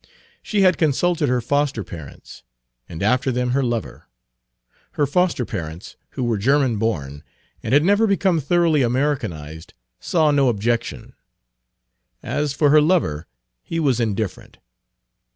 She had consulted her foster parents, and after them her lover. Her foster parents, who were German born, and had never become thoroughly Americanized, saw no objection. As for her lover, he was indifferent.